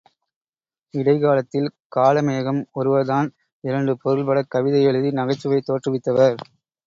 இடைக்காலத்தில் காளமேகம் ஒருவர் தான் இரண்டு பொருள்படக் கவிதை எழுதி நகைச்சுவை தோற்றுவித்தவர்.